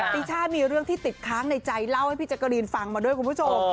ปีช่ามีเรื่องที่ติดค้างในใจเล่าให้พี่แจกรีนฟังมาด้วยคุณผู้ชม